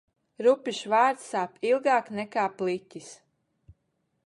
Rupjš vārds sāp ilgāk nekā pliķis.